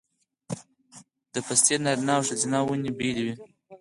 د پستې نارینه او ښځینه ونې بیلې دي؟